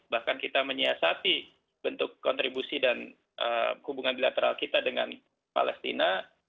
bahkan kita menyiasati bentuk kontribusi dan hubungan bilateral kita dengan palestina